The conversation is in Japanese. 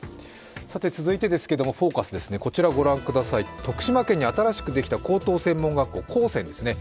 続いて「ＦＯＣＵＳ」です、こちら、ご覧ください、徳島県に新しくできた高等専門学校高専ですね。